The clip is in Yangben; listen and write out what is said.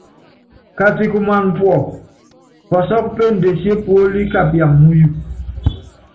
Katikumana púɔ pɔsɔ́kɔ péndesié puóli kapia muyu.